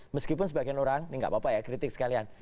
meskipun sebagian orang ini gak apa apa ya kritik sekalian